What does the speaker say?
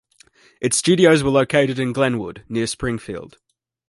Its studios were located in Glenwood, near Springfield.